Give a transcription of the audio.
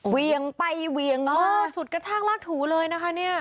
เวียงไปเวียงเออฉุดกระชากลากถูเลยนะคะเนี่ย